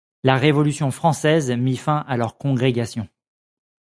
La Révolution française mit fin à leur congrégation.